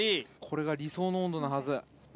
これが理想の温度のはず。